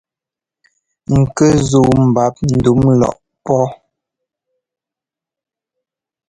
Ŋkɛ́ zúu mbap ndúm lɔʼpɔ́.